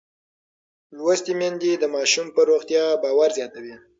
لوستې میندې د ماشوم پر روغتیا باور زیاتوي.